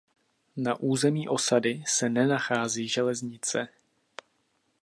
Na území osady se nenachází železnice.